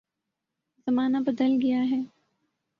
زمانہ بدل گیا ہے۔